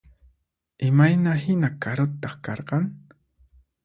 Imayna hina karutaq karqan?